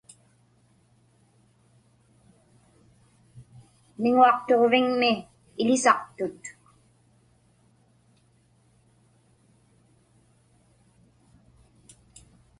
Miŋuaqtuġviŋmi iḷisaqtut.